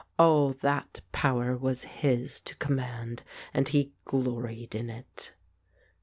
All that power was his to command, and he gloried in it.